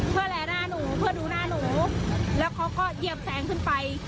เพื่อแลหน้าหนูเพื่อดูหน้าหนูแล้วเขาก็เหยียบแซงขึ้นไป